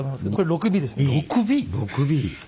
６Ｂ。